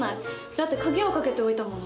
だって鍵をかけておいたもの。